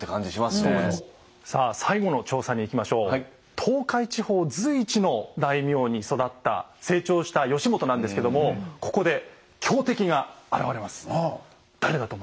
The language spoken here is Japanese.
東海地方随一の大名に育った成長した義元なんですけどもここで強敵が現れます。